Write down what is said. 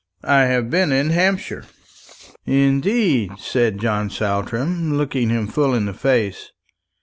"I have been in Hampshire." "Indeed!" said John Saltram, looking him full in the face.